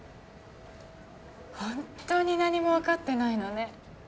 本当に何も分かってないのね。